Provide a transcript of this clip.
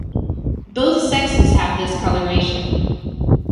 Both sexes have this coloration.